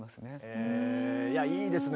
へえいやいいですね。